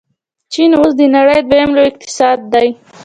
چین اوس د نړۍ دویم لوی اقتصاد دی.